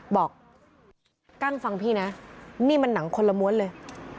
กั้งฟังพี่นะนี่มันหนังคนละม้วนเลย